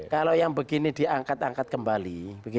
kalau yang begini diangkat angkat kembali